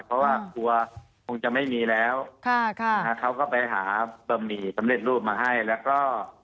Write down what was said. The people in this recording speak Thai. เพราะว่ากลัวคงจะไม่มีแล้วเขาก็ไปหาบะหมี่สำเร็จรูปมาให้แล้วก็